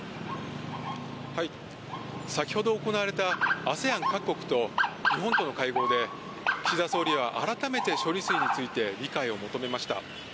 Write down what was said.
先ほど行われたＡＳＥＡＮ各国と日本との会合で、岸田総理は改めて処理水について理解を求めました。